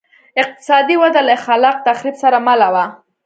اقتصادي وده له خلاق تخریب سره مله وه